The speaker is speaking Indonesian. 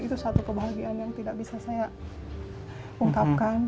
itu satu kebahagiaan yang tidak bisa saya ungkapkan